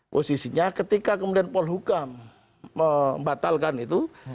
posisinya ketika kemudian polhukam membatalkan itu